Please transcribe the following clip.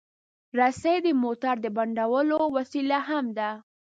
رسۍ د موټر د بندولو وسیله هم ده.